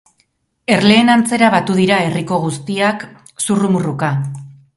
Erleen antzera batu dira herriko guztiak, zurrumurruka.